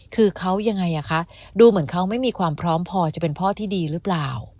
คือเขายังไงคะดูเหมือนเขาไม่มีความพร้อมพอจะเป็นพ่อที่ดีหรือเปล่า